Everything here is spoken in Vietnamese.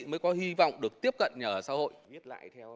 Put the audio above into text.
mới có hy vọng được tiếp cận nhà ở xã hội